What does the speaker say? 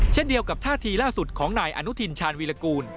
เช่นเดียวกับท่าทีล่าสุดของนายอนุทินชาญวีรกูล